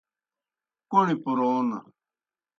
کوْݨیْ پُرَون